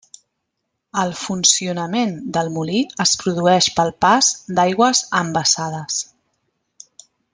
El funcionament del molí es produeix pel pas d'aigües embassades.